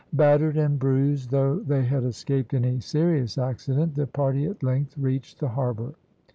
Battered and bruised, though they had escaped any serious accident, the party at length reached the harbour.